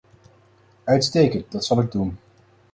Uitstekend, dat zal ik doen.